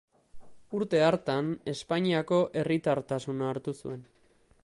Urte hartan Espainiako herritartasuna hartu zuen.